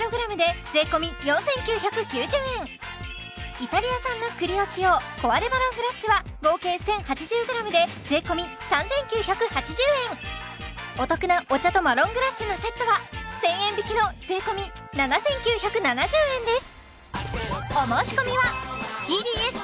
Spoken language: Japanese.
イタリア産の栗を使用お得なお茶とマロングラッセのセットは１０００円引きの税込７９７０円です